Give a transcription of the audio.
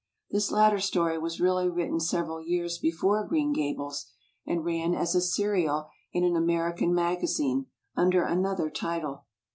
This latter story was really written several years before Green Gables, and ran as a serial in an American magazine, under another title.